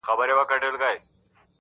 له احتیاجه چي سي خلاص بادار د قام وي؛؛!